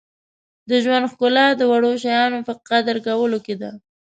• د ژوند ښکلا د وړو شیانو په قدر کولو کې ده.